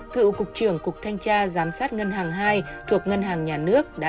cựu cục trưởng cục thanh tra giám sát ngân hàng hai thuộc ngân hàng nhà nước